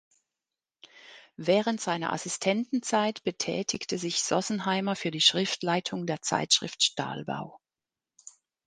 Während seiner Assistentenzeit betätigte sich Sossenheimer für die Schriftleitung der Zeitschrift Stahlbau.